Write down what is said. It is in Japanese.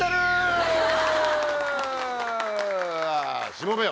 しもべよ。